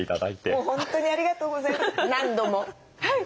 もう本当にありがとうございます何度も。